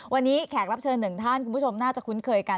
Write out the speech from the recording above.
วันนี้แขกรับเชิญหนึ่งท่านคุณผู้ชมน่าจะคุ้นเคยกัน